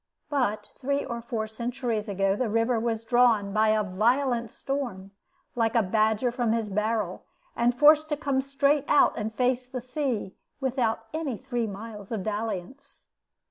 But three or four centuries ago the river was drawn by a violent storm, like a badger from his barrel, and forced to come straight out and face the sea, without any three miles of dalliance.